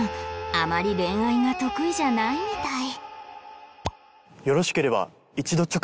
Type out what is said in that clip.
あまり恋愛が得意じゃないみたい